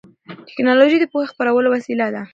ټیکنالوژي د پوهې خپرولو وسیله ده.